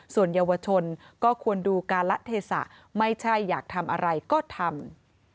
ส่วนเยาวชนก็ควรดูการละเทศะไม่ใช่อยากทำอะไรก็ทำ